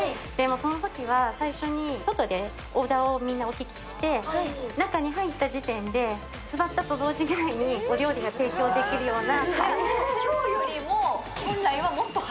そのときは、最初に外でオーダーをみんなお聞きして、中に入った時点で座ったと同時ぐらいにお料理が提供できるような。